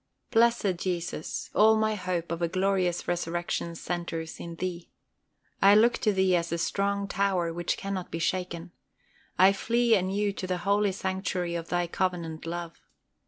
Blessed Jesus, all my hope of a glorious resurrection centres in Thee. I look to Thee as the strong tower which cannot be shaken. I flee anew to the holy sanctuary of Thy covenant love.